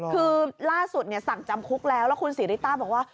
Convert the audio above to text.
คือล่าสุดสั่งจำคุกแล้วแล้วคุณศรีริต้าบอกว่า